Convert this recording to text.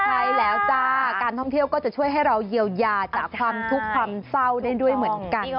ใช่แล้วจ้าการท่องเที่ยวก็จะช่วยให้เราเยียวยาจากความทุกข์ความเศร้าได้ด้วยเหมือนกัน